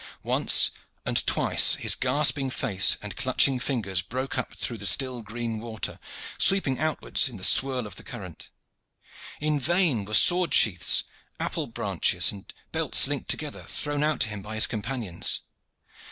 Once and twice his gasping face and clutching fingers broke up through the still green water, sweeping outwards in the swirl of the current. In vain were sword sheaths, apple branches and belts linked together thrown out to him by his companions.